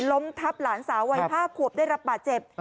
ล้มทับหลานสาววัย๕ขวบได้รับบาดเจ็บ